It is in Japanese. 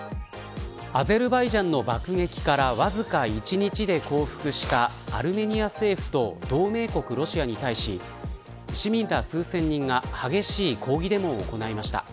アゼルバイジャンの爆撃からわずか１日で降伏したアルメニア政府と同盟国ロシアに対し市民ら数千人が激しい抗議デモを行いました。